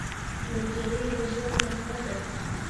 نجلۍ د ژوند نغمه ده.